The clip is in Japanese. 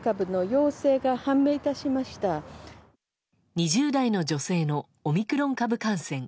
２０代の女性のオミクロン株感染。